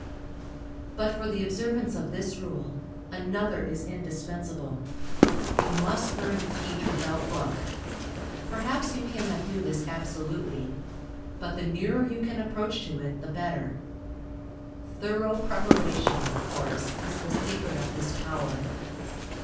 But for the observance of this rule, another is indispensable. You must learn to teach without book. Perhaps you cannot do this absolutely. But the nearer you can approach to it, the better. Thorough preparation, of course, is the secret of this power.